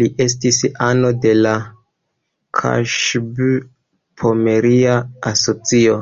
Li estis ano de la Kaŝub-Pomeria Asocio.